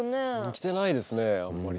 来てないですねあんまり。